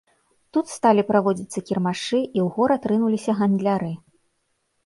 Тут сталі праводзіцца кірмашы, і ў горад рынуліся гандляры.